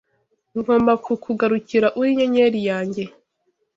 Ngomba kukugarukira Uri inyenyeri yanjye